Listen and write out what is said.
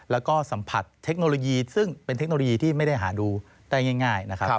แล้วก็สัมผัสเทคโนโลยีซึ่งเป็นเทคโนโลยีที่ไม่ได้หาดูได้ง่ายนะครับ